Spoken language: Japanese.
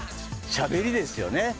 しゃべりですよね。